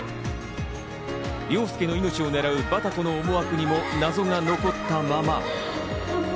凌介の命を狙うバタコの思惑にも謎が残ったまま。